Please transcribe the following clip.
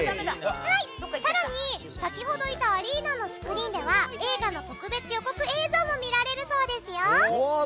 更に、先ほどいたアリーナのスクリーンでは映画の特別予告映像も見られるそうですよ。